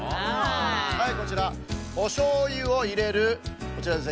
はいこちらおしょうゆをいれるこちらですね